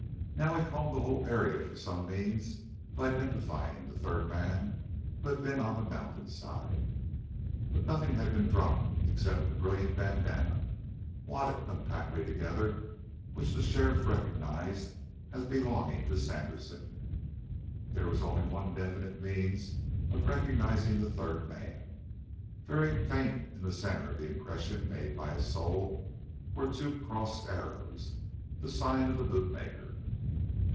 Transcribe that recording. Now he combed the whole area for some means of identifying the third man who had been on the mountainside. But nothing had been dropped except a brilliant bandanna, wadded compactly together, which the sheriff recognized as belonging to Sandersen. There was only one definite means of recognizing the third man. Very faint in the center of the impression made by his sole, were two crossed arrows, the sign of the bootmaker.